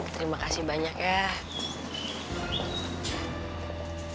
terima kasih banyak mic